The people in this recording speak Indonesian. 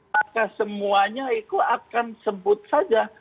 maka semuanya itu akan sebut saja